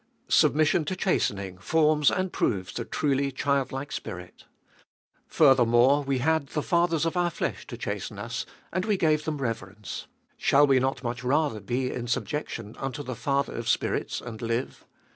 Submission to chastening forms and proves the truly child like spirit. Furthermore, we had the fathers of our flesh to chasten us, and we gave them reverence: shall we not much rather be in subjection unto the Father of spirits, and live?